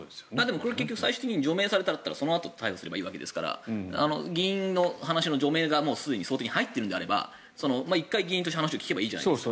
これ最終的に除名されたらそのあと逮捕すればいいわけですから議員の除名の話がもうすでに想定に入っているのであれば一回議員として話を聞けばいいじゃないですか。